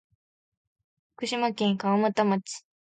福島県川俣町